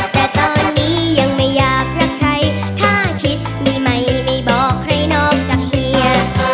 แต่ตอนนี้ยังไม่อยากรักใครถ้าคิดมีใหม่ไม่บอกใครนอกจากเฮีย